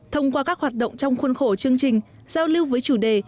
thông qua các hoạt động trong khuôn khổ chương trình giao lưu với chủ đề